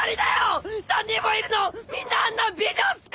３人もいるのみんなあんな美女っすか！？